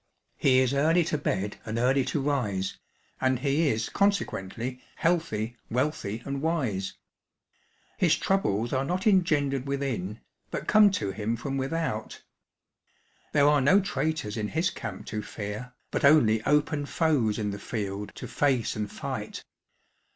He is early On Gardening. 135 to bed and early to rise, and he is consequently healthy, wealthy, and wise. His troubles are not engendered within, but come to him from without. There are no traitors in his camp to fear, but only open foes in the field to face and fight.